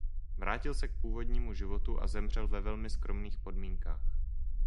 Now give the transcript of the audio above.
Vrátil se k původnímu životu a zemřel ve velmi skromných podmínkách.